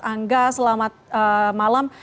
angga selamat malam